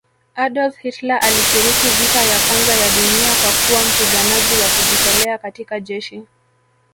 Adolf Hilter alishiriki vita ya kwanza ya dunia kwakuwa mpiganaji Wa kujitolea katika jeshi